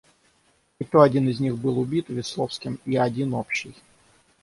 И то один из них был убит Весловским и один общий.